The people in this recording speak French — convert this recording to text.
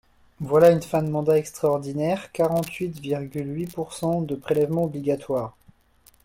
Voilà une fin de mandat extraordinaire, quarante-huit virgule huit pourcent de prélèvements obligatoires.